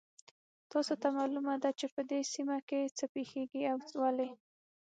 تاسو ته معلومه ده چې په دې سیمه کې څه پېښیږي او ولې